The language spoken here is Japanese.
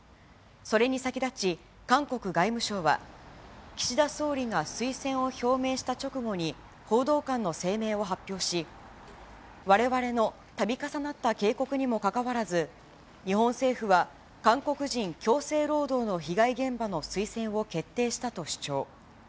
それに先立ち、韓国外務省は岸田総理が推薦を表明した直後に、報道官の声明を発表し、われわれのたび重なった警告にもかかわらず、日本政府は韓国人強制労働の被害現場の推薦を決定したと主張。